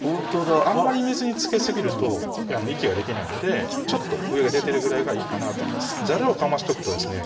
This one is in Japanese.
あんまり水につけすぎると息ができないのでちょっと上が出てるぐらいがいいかなと思いますざるをかましとくとですね